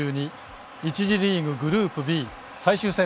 １次リーグ、グループＢ最終戦